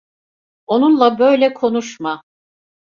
Onunla böyle konuşma.